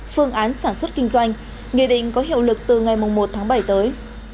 phương án sản xuất kinh doanh nghị định có hiệu lực từ ngày một tháng bảy tới